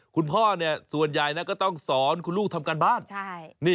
คุณพ่อส่วนใหญ่ก็ต้องสอนคุณลูกทำการบ้าน